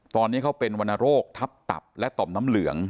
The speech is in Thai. ตอนนี้เขาเป็นวรรณโรคทับตับและต่อมน้ำเหลือง